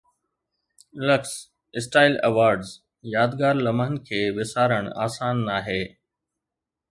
Luxe Style Awards يادگار لمحن کي وسارڻ آسان ناهي